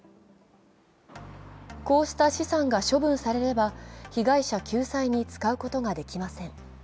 こうした資産が処分されれば、被害者救済に使うことはできません。